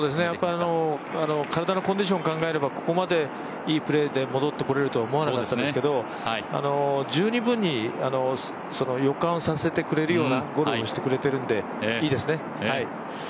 やっぱり体のコンディションを考えれば、ここまでいいプレーで戻ってこれると思わなかったんですけど、十二分に予感させてくれるようなゴルフをしてくれてるんで、いいですね。